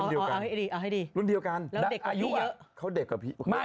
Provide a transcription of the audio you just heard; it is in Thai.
เอาให้ดีเอาให้ดีรุ่นเดียวกันแล้วอายุอ่ะเขาเด็กกว่าพี่ไม่ไม่ไม่